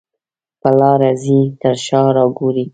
په لاره ځې تر شا را ګورې.